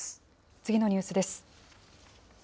次のニュースです。